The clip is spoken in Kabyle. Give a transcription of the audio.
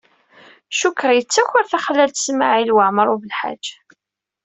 Cukkeɣ yettaker taxlalt Smawil Waɛmaṛ U Belḥaǧ.